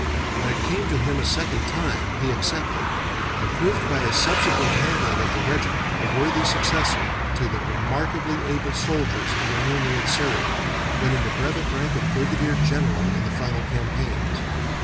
When it came to him a second time he accepted, and proved by his subsequent handling of the regiment a worthy successor to the remarkably able soldiers under whom he had served, winning the brevet rank of brigadier general in the final campaigns.